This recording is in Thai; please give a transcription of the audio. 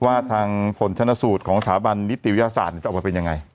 ว่าทางผลชนสูตรของสถาบันนิติวิทยาศาสตร์จะออกมาเป็นยังไง